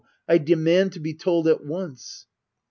I demand to be told at once.